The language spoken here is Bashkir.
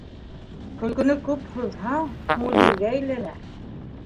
Көлкөнө күп һуҙһаң, күңелһеҙгә әйләнә.